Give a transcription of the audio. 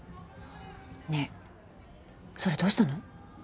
ねえそれどうしたの？